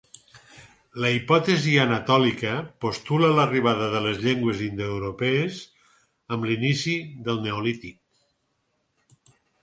La hipòtesi anatòlica postula l'arribada de les llengües indoeuropees amb l'inici del Neolític.